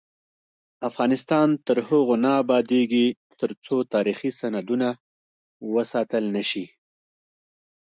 افغانستان تر هغو نه ابادیږي، ترڅو تاریخي سندونه وساتل نشي.